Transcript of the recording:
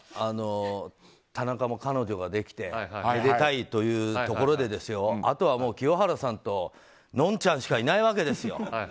田中も彼女ができてめでたいというところであとは清原さんとのんちゃんしかいないわけですよ。